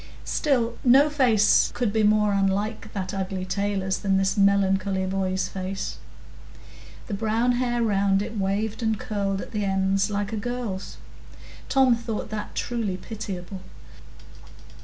Still, no face could be more unlike that ugly tailor's than this melancholy boy's face,—the brown hair round it waved and curled at the ends like a girl's: Tom thought that truly pitiable.